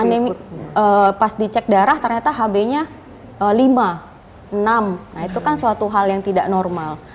pandemi pas dicek darah ternyata hb nya lima enam nah itu kan suatu hal yang tidak normal